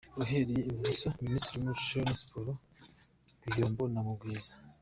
Uhereye ibumoso:Ministiri w'umuco na siporo, Biyombo na Mugwiza .